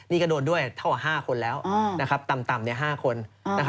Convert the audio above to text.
นี่ก็โดนด้วยเท่ากับ๕คนแล้วต่ำ๕คน